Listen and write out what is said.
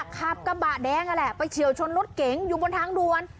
ขับกระบะแดงนั่นแหละไปเฉียวชนรถเก๋งอยู่บนทางด่วน